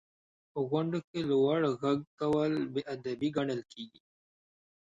• په غونډو کې لوړ ږغ کول بې ادبي ګڼل کېږي.